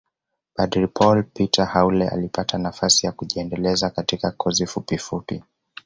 Padre Paul Peter Haule alipata nafasi ya kujiendeleza katika kozi fupofupi